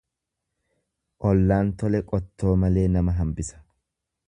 Ollaan tole qottoo malee nama hambisa.